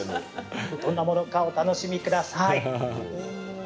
どんなものかお楽しみください。